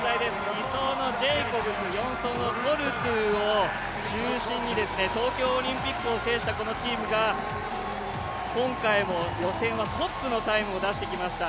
２走のジェイコブス、４走のトルトゥを中心に東京オリンピックを制したこのチームが今回も予選はトップのタイムを出してきました。